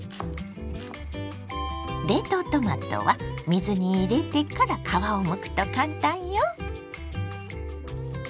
冷凍トマトは水に入れてから皮をむくと簡単よ。